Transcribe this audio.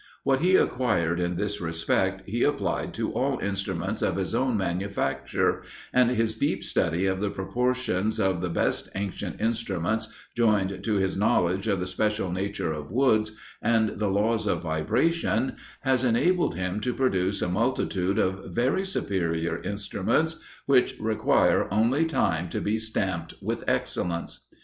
What he acquired in this respect, he applied to all instruments of his own manufacture, and his deep study of the proportions of the best ancient instruments, joined to his knowledge of the special nature of woods, and the laws of vibration, has enabled him to produce a multitude of very superior instruments, which require only time to be stamped with excellence.